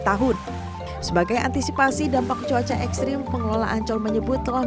tahun sebagai antisipasi dampak cuaca ekstrim pengelola ancol menyebut telah